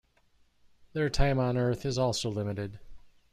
Their time on Earth is also limited.